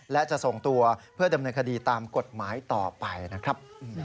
และจะส่งตัวเพื่อดำเนินคดีตามกฎหมายต่อไปนะครับ